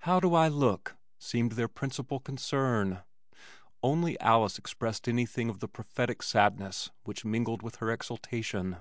"How do I look?" seemed their principal concern. Only Alice expressed anything of the prophetic sadness which mingled with her exultation.